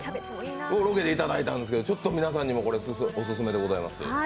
ロケで頂いたんですけどちょっと皆さんにもオススメでございます。